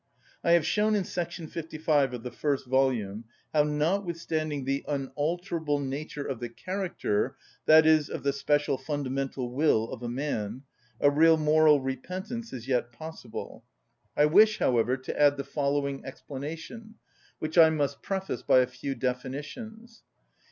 I have shown in § 55 of the first volume how, notwithstanding the unalterable nature of the character, i.e., of the special fundamental will of a man, a real moral repentance is yet possible. I wish, however, to add the following explanation, which I must preface by a few definitions.